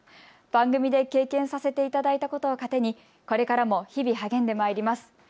番組で経験させていただいたことを糧にこれからも日々、励んでまいります。